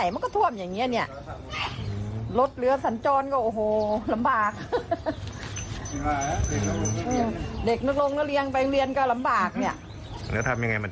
เขาก็ไม่รู้จะแก้ไขยังไงเลย